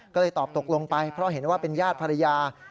ก็เลยตอบตกลงไปเพราะเห็นว่าเป็นญาติภรรยา